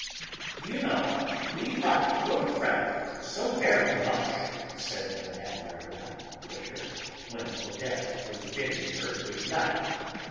"D'you know; we like your friend so very much," said Mme. Verdurin, later, when Odette was bidding her good night.